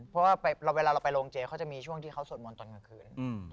เพราะว่าเวลาเราไปโรงเจเขาจะมีช่วงที่เขาสวดมนต์ตอนกลางคืน